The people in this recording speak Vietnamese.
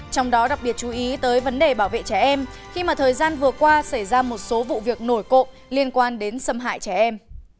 trong đó đặc biệt chú ý tới vấn đề bảo vệ trẻ em khi mà thời gian vừa qua xảy ra một số vụ việc nổi cộ liên quan đến xâm hại trẻ em